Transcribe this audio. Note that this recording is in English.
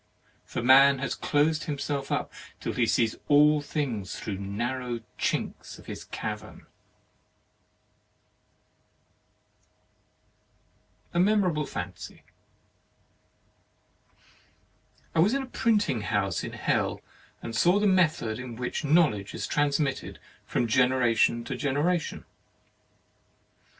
For man has closed himself up, till he sees all things through narrow chinks of his cavern. 26 HEAVEN AND HELL A MEMORABLE FANCY I was in a printing house in Hell, and saw the method in which knowl edge is transmitted from generation to generation.